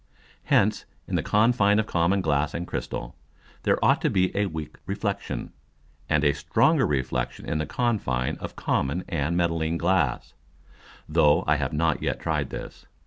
Hence in the Confine of common Glass and Crystal, there ought to be a weak Reflexion, and a stronger Reflexion in the Confine of common and metalline Glass; though I have not yet tried this.